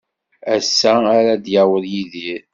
Ass-a ara d-yaweḍ Yidir.